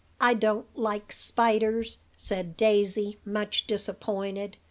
"I don't like spiders," said Daisy, much disappointed.